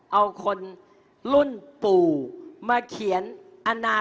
เอาคนรุ่นปู่มาเขียนอนาคตให้คุณรัฐพาหารนะครับ